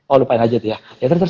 oh lupain aja tuh ya ya terus terus